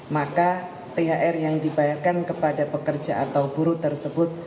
maka thr yang dibayarkan kepada pekerja atau buruh tersebut